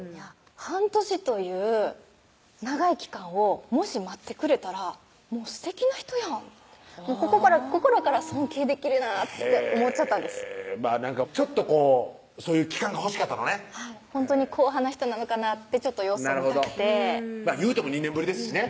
半年という長い期間をもし待ってくれたらすてきな人やん心から尊敬できるなって思っちゃったんですなんかちょっとこうそういう期間が欲しかったのねはいほんとに硬派な人なのかなと様子見たくていうても２年ぶりですしね